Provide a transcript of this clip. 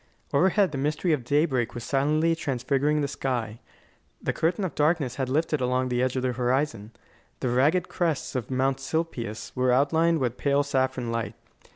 Overhead the mystery of daybreak was silently transfiguring the sky. The curtain of darkness had lifted along the edge of the horizon. The ragged crests of Mount Silpius were outlined with pale saffron light.